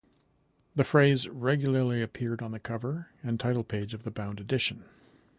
The phrase regularly appeared on the cover and title page of the bound edition.